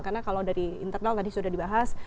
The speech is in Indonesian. karena kalau dari internal tadi sudah dibahas